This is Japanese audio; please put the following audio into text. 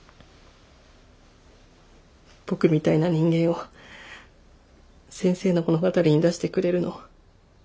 僕みたいな人間を先生の物語に出してくれるの？